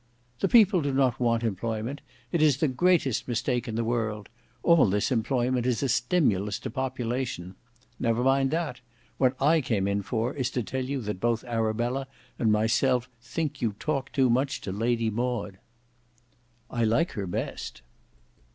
"The people do not want employment; it is the greatest mistake in the world; all this employment is a stimulus to population. Never mind that; what I came in for, is to tell you that both Arabella and myself think you talk too much to Lady Maud." "I like her the best."